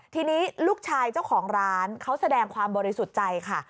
ทีนี้ลูกชายเจ้าของร้านเขาแสดงความบริสุทธิ์ใจค่ะ